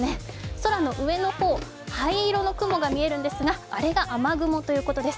空の上の方、灰色の雲が見えるんですが、あれが雨雲ということです。